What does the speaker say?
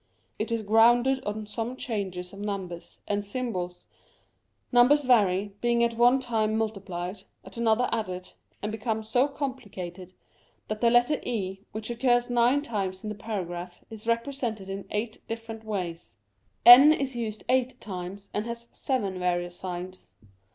It is grounded on some changes of numbers and symbols ; numbers vary, being at one time multiplied, at another added, and become so complicated that the letter e, which occurs nine times in the paragraph, is represented in eight different ways ;« is used 35 Curiosities of Olden Times eight times, and has seven various signs.